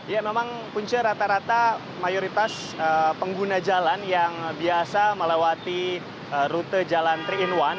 ya memang punce rata rata mayoritas pengguna jalan yang biasa melewati rute jalan tiga in satu